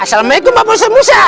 assalamualaikum pak ustadz musa